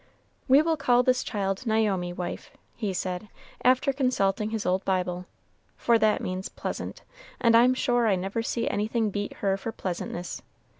"We will call this child Naomi, wife," he said, after consulting his old Bible; "for that means pleasant, and I'm sure I never see anything beat her for pleasantness.